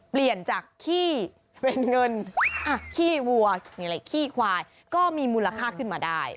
เปลี่ยนจากขี้เป็นเงินขี้วัวขี้ควายก็มีมูลค่าขึ้นมาได้